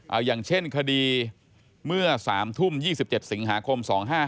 เอาอย่างเช่นคดีเมื่อ๓ทุ่ม๒๗สิงหาคม๒๕๕